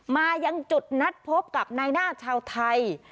มายังจุดนัดพบกับนายหน้าชาวไทย